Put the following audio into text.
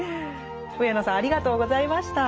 上野さんありがとうございました。